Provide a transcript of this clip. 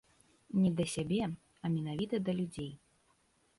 Не да сябе, а менавіта да людзей.